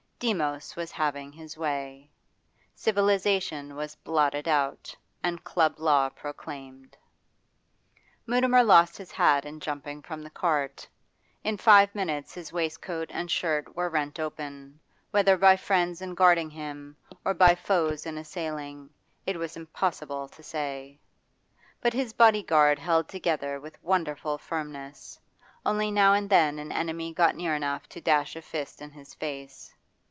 Demos was having his way; civilisation was blotted out, and club law proclaimed. Mutimer lost his hat in jumping from the cart; in five minutes his waistcoat and shirt were rent open, whether by friends in guarding him, or by foes in assailing, it was impossible to say. But his bodyguard held together with wonderful firmness, only now and then an enemy got near enough to dash a fist in his face.